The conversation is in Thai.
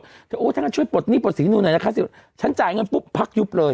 โอ้ฉันก็ช่วยปลดหนี้ปลดสินหนูหน่อยนะคะฉันจ่ายเงินปุ๊บพักยุบเลย